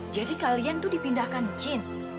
jadi kalian tuh dipindahkan jin